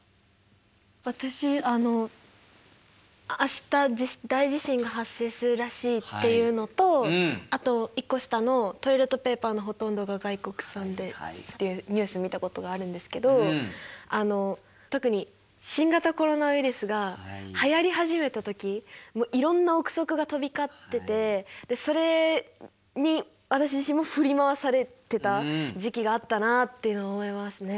私あの「明日大地震が発生するらしい」っていうのとあと１個下の「トイレットペーパーのほとんどが外国産」でっていうニュース見たことがあるんですけどあの特に新型コロナウイルスがはやり始めた時もういろんな臆測が飛び交っててそれに私自身も振り回されてた時期があったなあっていうのを思いますね。